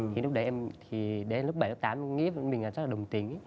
thì lúc đấy em thì đến lúc bảy lúc tám mình nghĩ mình là chắc là đồng tính